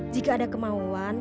jika ada kemauan